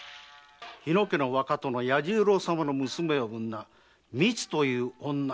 日野家の若殿弥十郎様の娘を産んだ「みつ」という女